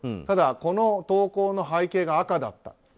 ただ、この投稿の背景が赤だった。